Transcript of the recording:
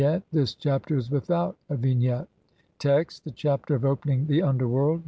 ] Vignette : This Chapter is without a vignette. Text : (1) The Chapter of opening the underworld.